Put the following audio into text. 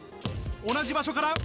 同じ場所から。